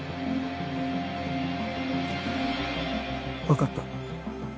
わかった。